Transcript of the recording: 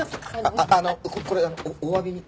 あのこれおわびに。